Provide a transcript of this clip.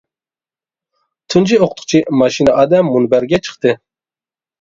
تۇنجى ئوقۇتقۇچى ماشىنا ئادەم مۇنبەرگە چىقتى.